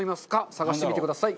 探してみてください。